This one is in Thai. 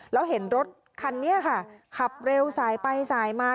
แล้วเห็นรถคันนี้ค่ะขับเร็วสายไปสายมา